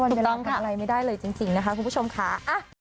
ยังเล่ากันอะไรไม่ได้เลยจริงนะคะคุณผู้ชมค่ะ